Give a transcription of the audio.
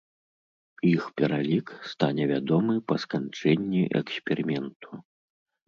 Іх пералік стане вядомы па сканчэнні эксперыменту.